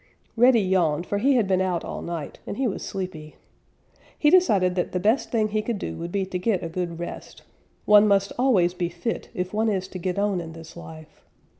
Reddy yawned, for he had been out all night, and he was sleepy. He decided that the best thing he could do would be to get a good rest. One must always be fit if one is to get on in this life.